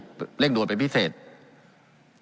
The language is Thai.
การปรับปรุงทางพื้นฐานสนามบิน